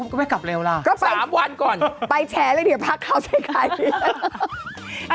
ก็ไปกลับเร็วล่ะสามวันก่อนไปแชร์แล้วเดี๋ยวพักข่าวใช้ไขมัน